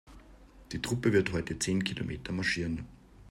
Die Truppe wird heute zehn Kilometer marschieren.